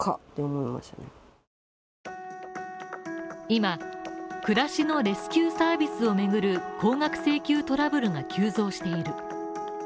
今、暮らしのレスキューサービスを巡る高額請求トラブルが急増している。